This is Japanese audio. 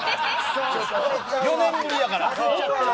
４年ぶりやから。